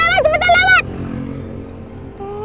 jangan lawan cepetan lawan